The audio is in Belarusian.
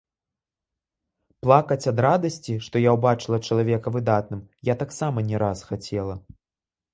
Плакаць ад радасці, што я ўбачыла чалавека выдатным, я таксама не раз хацела.